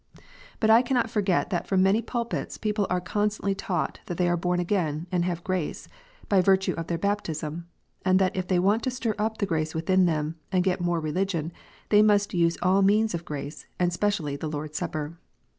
But I cannot forget that from many pulpits people are constantly taught that they are born again, and have grace, by virtue of their baptism; and that if they want to stir up the grace within them, and get more religion, they must use all means of grace, and specially the Lord s Supper